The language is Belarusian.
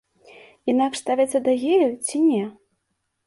Інакш ставяцца да геяў ці не?